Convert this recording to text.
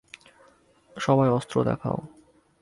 সবাই অস্ত্র দেখাও!